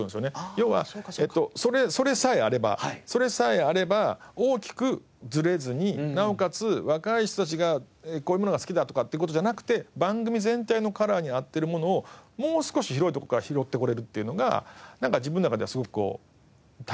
要はそれさえあればそれさえあれば大きくずれずになおかつ若い人たちがこういうものが好きだとかっていう事じゃなくて番組全体のカラーに合ってるものをもう少し広いとこから拾ってこれるっていうのが自分の中ではすごく大切かな。